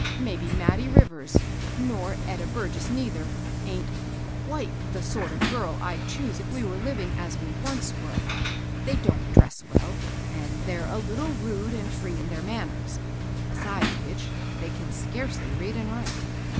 Maybe Mattie Rivers, nor Etta Burgess neither, aint quite the sort of girl I'd choose if we were living as we once were. They don't dress well, and they're a little rude and free in their manners ; besides which, they can scarce ly read and write.